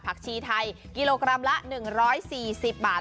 ชีไทยกิโลกรัมละ๑๔๐บาท